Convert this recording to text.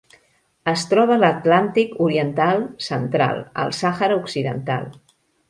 Es troba a l'Atlàntic oriental central: el Sàhara Occidental.